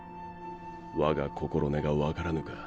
我が心根がわからぬか。